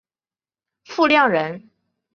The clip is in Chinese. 傅亮人。